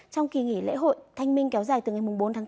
trong kỳ nghỉ lễ hội thanh minh kéo dài từ ngày bốn tháng bốn